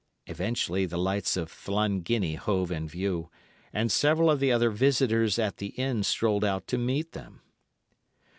Eventually the lights of Llanginney hove in view, and several of the other visitors at the inn strolled out to meet them.